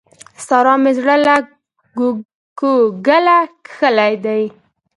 سارا مې زړه له کوګله کښلی دی.